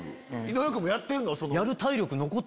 井上君もやってるの？